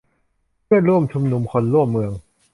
เพื่อนร่วมชุมชน คนร่วมเมือง